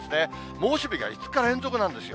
猛暑日が５日連続なんですよ。